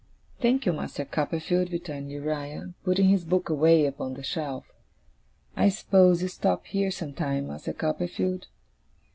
'Thank you, Master Copperfield,' returned Uriah, putting his book away upon the shelf 'I suppose you stop here, some time, Master Copperfield?